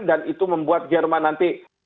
dan itu membuat jerman nanti